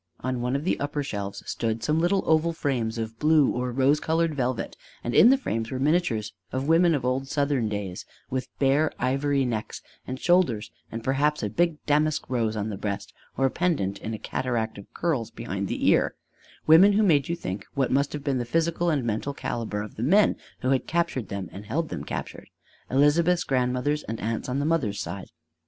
On one of the upper shelves stood some little oval frames of blue or of rose colored velvet; and in the frames were miniatures of women of old Southern days with bare ivory necks and shoulders and perhaps a big damask rose on the breast or pendent in a cataract of curls behind the ear: women who made you think what must have been the physical and mental calibre of the men who had captured them and held them captured: Elizabeth's grandmothers and aunts on the mother's side.